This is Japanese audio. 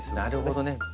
なるほどね。